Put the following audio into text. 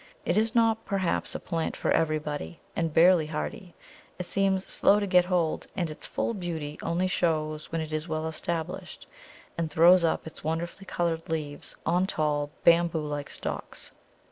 It is not perhaps a plant for everybody, and barely hardly; it seems slow to get hold, and its full beauty only shows when it is well established, and throws up its wonderfully coloured leaves on tall bamboo like stalks.